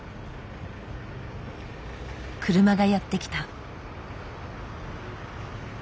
車がやって来た。